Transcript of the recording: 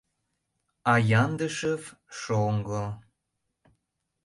А Яндышев — шоҥго...